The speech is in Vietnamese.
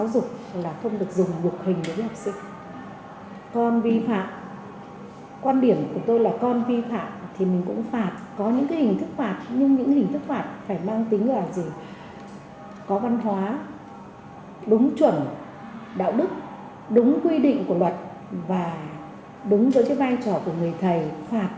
đạo đức đúng quy định của luật và đúng với cái vai trò của người thầy phạt